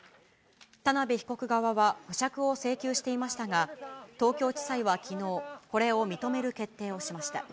田辺被告側は保釈を請求していましたが、東京地裁はきのう、これを認める決定をしました。